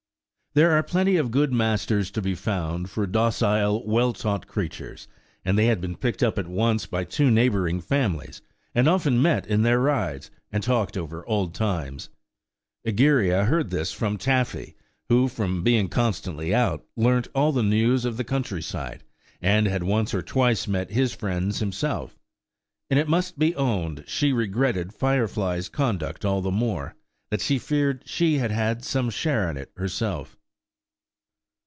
There are plenty of good masters to be found for docile, well taught creatures, and they had been picked up at once by two neighbouring families, and often met in their rides, and talked over old times. Egeria heard this from Taffy, who, from being constantly out, learnt all the news of the country side, and had once or twice met his friends himself; and it must be owned she regretted Firefly's conduct all the more, that she feared she had had some share in it herself.